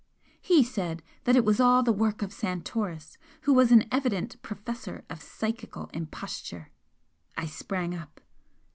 "He said that it was all the work of Santoris, who was an evident professor of psychical imposture " I sprang up.